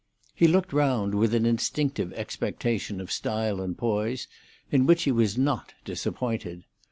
He looked round with an instinctive expectation of style and poise, in which he was not disappointed.